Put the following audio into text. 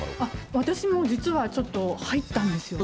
私も実はちょっと入ったんですよ。